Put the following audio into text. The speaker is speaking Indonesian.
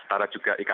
tara juga ika